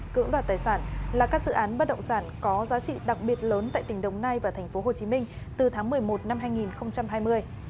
cưỡng đoạt tài sản là các dự án bất động sản có giá trị đặc biệt lớn tại tỉnh đồng nai và tp hcm từ tháng một mươi một năm hai nghìn hai mươi